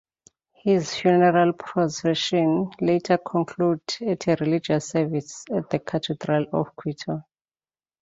His funeral procession later conclude at a religious service at the Cathedral of Quito.